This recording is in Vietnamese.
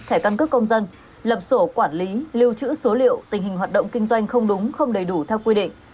thẻ căn cước công dân lập sổ quản lý lưu trữ số liệu tình hình hoạt động kinh doanh không đúng không đầy đủ theo quy định